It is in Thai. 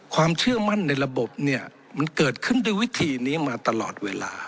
ความเชื่อมั่นในระบบเนี่ยมันเกิดขึ้นด้วยวิธีนี้มาตลอดเวลา